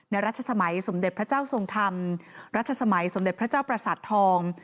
รัชสมัยสมเด็จพระเจ้าทรงธรรมรัชสมัยสมเด็จพระเจ้าประสาททอง